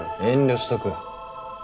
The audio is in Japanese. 遠慮しとく。